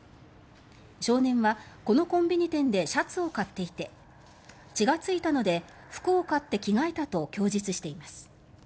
少年は、このコンビニ店でシャツを買っていて血がついたので服を買って着替えたと供述しています。